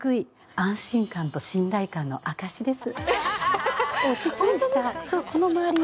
安心感と信頼感の証しです。